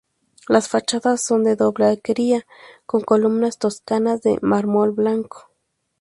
Las fachadas son de doble alquería con columnas toscanas de mármol blanco.